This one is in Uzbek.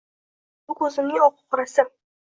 Ey, qo‘ying, u ko‘zimizning oq-u qorasi.